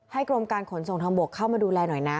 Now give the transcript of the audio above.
กรมการขนส่งทางบกเข้ามาดูแลหน่อยนะ